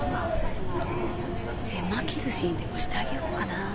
手巻き寿司にでもしてあげよっかなぁ？